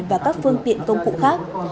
và các phương tiện công cụ khác